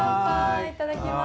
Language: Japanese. いただきます。